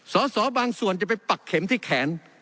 สอสอบางส่วนจะไปปักเข็มที่แขน